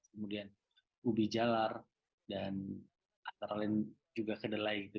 kemudian ubi jalar dan antara lain juga kedelai gitu